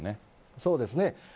そうですね。